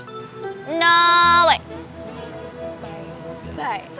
karena sama sekali alex bakal ke sini